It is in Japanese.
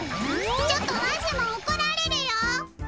ちょっとわしもおこられるよ。